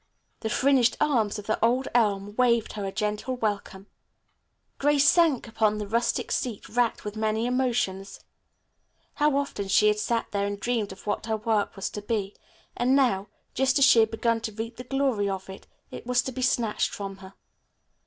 The fringed arms of the old elm waved her a gentle welcome. Grace sank upon the rustic seat racked with many emotions. How often she had sat there and dreamed of what her work was to be, and now, just as she had begun to reap the glory of it, it was to be snatched from her.